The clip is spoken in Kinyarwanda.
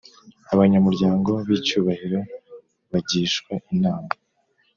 Abanyamuryango b icyubahiro bagishwa inama